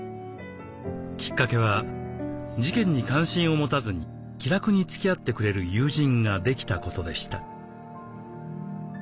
きっかけは事件に関心を持たずに気楽につきあってくれる友人ができたことでした。